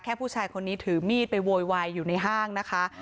ผู้ชายคนนี้ถือมีดไปโวยวายอยู่ในห้างนะคะ